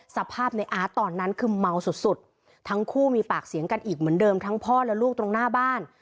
สภาพในอาร์ตตอนนั้นคือเมาสุดสุดทั้งคู่มีปากเสียงกันอีกเหมือนเดิมทั้งพ่อและลูกตรงหน้าบ้าน